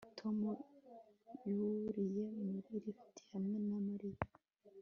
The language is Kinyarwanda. Tom yuriye muri lift hamwe na Mariya